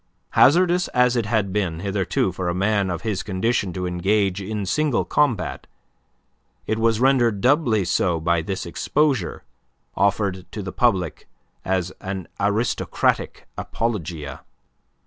Hazardous as it had been hitherto for a man of his condition to engage in single combat it was rendered doubly so by this exposure, offered to the public as an aristocratic apologia.